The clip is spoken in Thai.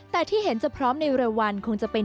แต่ที่เห็นจะพร้อมในเร็ววันคงจะเป็น